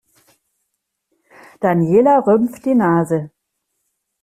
Daniela rümpft die Nase.